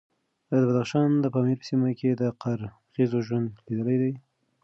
ایا د بدخشان د پامیر په سیمه کې د قرغیزو ژوند لیدلی دی؟